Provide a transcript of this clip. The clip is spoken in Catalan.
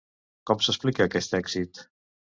Com s'explica aquest èxit?